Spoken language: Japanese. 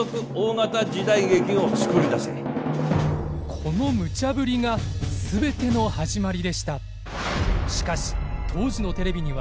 このムチャぶりが全ての始まりでした。